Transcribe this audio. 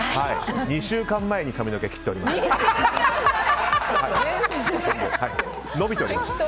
２週間前に髪の毛切っております。